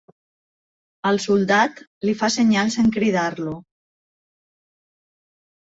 El soldat li fa senyals en cridar-lo.